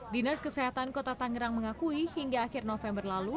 dinas kesehatan kota tangerang mengakui hingga akhir november lalu